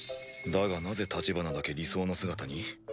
だがなぜ橘だけ理想の姿に？